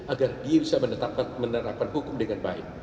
agar dia bisa menerapkan hukum dengan baik